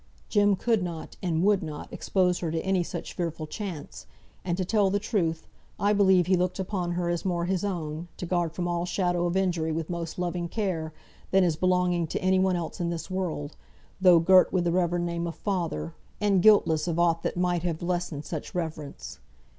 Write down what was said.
Jem could not, and would not, expose her to any such fearful chance: and to tell the truth, I believe he looked upon her as more his own, to guard from all shadow of injury with most loving care, than as belonging to any one else in this world, though girt with the reverend name of Father, and guiltless of aught that might have lessened such reverence.